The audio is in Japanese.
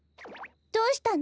どうしたの？